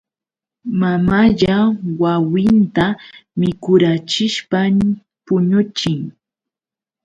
Mamalla wawinta mikurachishpam puñuchin.